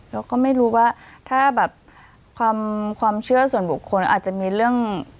เราก็ไม่รู้ว่าถ้าแบบความเชื่อส่วนบุคคลอาจจะมีเรื่อง